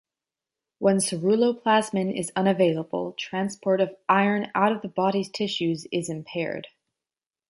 When ceruloplasmin is unavailable, transport of iron out of the body's tissues is impaired.